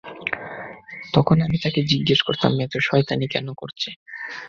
তখন আমি তাকে জিজ্ঞেস করতাম এতো শয়তানি কেন করছে।